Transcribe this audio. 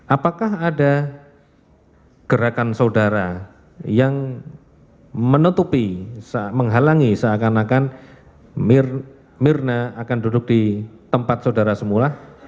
apakah ada gerakan saudara yang menutupi menghalangi seakan akan mirna akan duduk di tempat saudara semula